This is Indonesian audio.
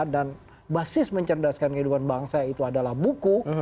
dan basis mencerdaskan kehidupan bangsa itu adalah buku